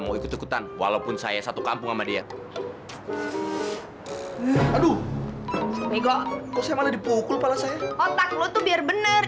otak lo tuh biar bener